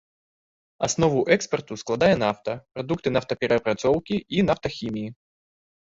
Аснову экспарту складае нафта, прадукты нафтаперапрацоўкі і нафтахіміі.